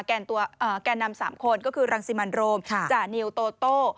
แก่นนำ๓คนก็คือรังสิมันโรมจานิวโตโต้